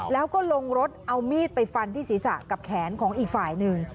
แล้วก็ลงรถเอามีดไปฟันที่ศีรษะกับแขนของอีกฝ่ายหนึ่ง